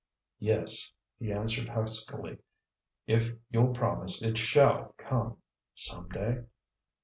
"Yes," he answered huskily, "if you'll promise it SHALL come some day?"